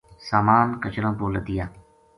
ساما ن کچراں پو لدیا